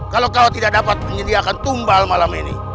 kalau kau tidak dapat menyediakan tumbal malam ini